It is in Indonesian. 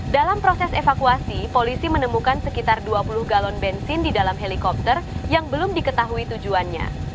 dalam proses evakuasi polisi menemukan sekitar dua puluh galon bensin di dalam helikopter yang belum diketahui tujuannya